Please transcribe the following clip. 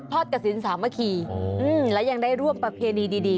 กระสินสามัคคีและยังได้ร่วมประเพณีดี